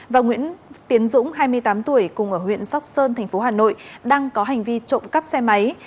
và nguyễn tiến dũng hai mươi tám tuổi cùng ở huyện sóc sơn thành phố hà nội đang có hành vi trộm cắp xe máy